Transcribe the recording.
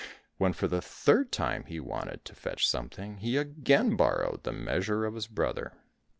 When for the third time he wanted to fetch something, he again borrowed the measure of his brother.